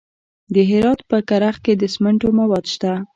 د هرات په کرخ کې د سمنټو مواد شته.